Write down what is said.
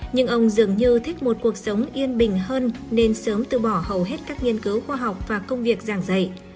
nhưng ông dường như thích một cuộc sống yên bình hơn nên sớm từ bỏ hầu hết các nghiên cứu khoa học và công việc giảng dạy